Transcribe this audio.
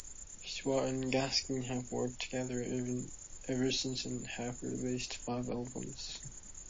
Stewart and Gaskin have worked together ever since and have released five albums.